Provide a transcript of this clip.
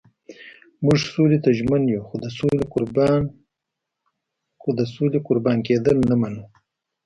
موږ سولې ته ژمن یو خو د سولې قربان کېدل نه منو.